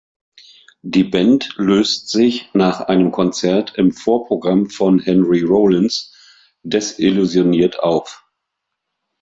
Die Band löst sich nach einem Konzert im Vorprogramm von Henry Rollins desillusioniert auf.